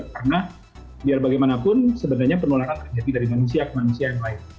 karena biar bagaimanapun sebenarnya penularan terjadi dari manusia ke manusia yang lain